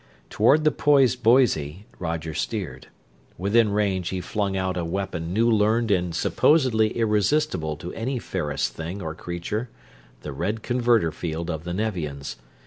Toward the poised Boise Roger steered. Within range, he flung out a weapon new learned and supposedly irresistible to any ferrous thing or creature, the red converter field of the Nevians.